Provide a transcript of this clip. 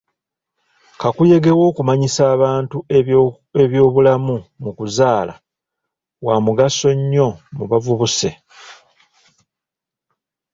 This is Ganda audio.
Kakuyege w'okumanyisa abantu ebyobulamu mu kuzaala wa mugaso nnyo mu bavubuse.